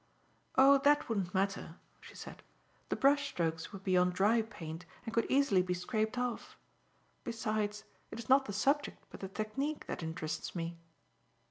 "Oh, that wouldn't matter," she said. "The brush strokes would be on dry paint and could easily be scraped off. Besides, it is not the subject but the technique that interests me."